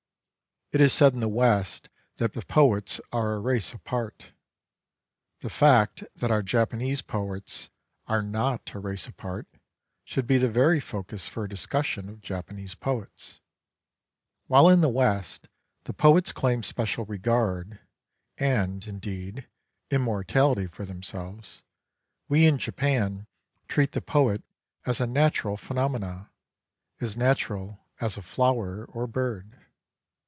It is said in the West that the poets are a race apart. The fact that our Japanese poets are not a race apart should be the very focus for a discussion of Japanese poets. While in the West the poets claim special regard and, indeed, im mortality for themselves, we in Japan treat the poet as a natural phenomenon, as natural as a flower or bird.